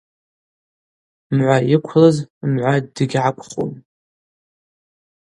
Мгӏва йыквлыз мгӏва дыгьгӏаквхум.